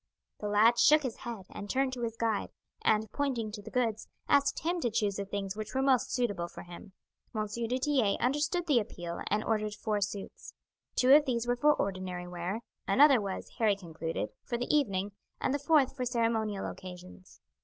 The lad shook his head and turned to his guide, and, pointing to the goods, asked him to choose the things which were most suitable for him; M. du Tillet understood the appeal and ordered four suits. Two of these were for ordinary wear; another was, Harry concluded, for the evening; and the fourth for ceremonial occasions.